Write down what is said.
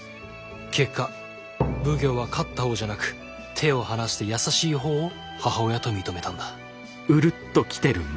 結果奉行は勝った方じゃなく手を離した優しい方を母親と認めたんだ。